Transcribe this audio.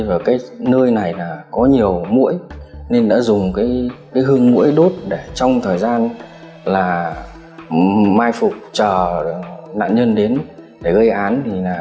và nơi này có nhiều mũi nên đã dùng hương mũi đốt để trong thời gian mai phục chờ nạn nhân đến để gây án